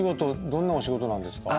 どんなお仕事なんですか？